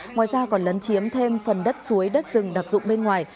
ngoài ra còn lấn chiếm thêm phần đất suối đất rừng đặc dụng bên ngoài